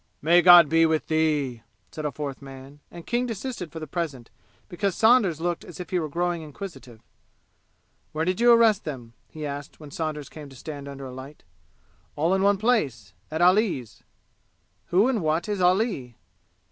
"May God be with thee!" said a fourth man, and King desisted for the present, because Saunders looked as if he were growing inquisitive. "Where did you arrest them?" he asked when Saunders came to a stand under a light. "All in one place. At Ali's." "Who and what is Ali?"